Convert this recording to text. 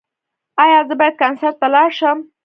ایا زه باید کنسرت ته لاړ شم؟